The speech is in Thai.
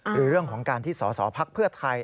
หรือเรื่องของการที่สอสอพักเพื่อไทย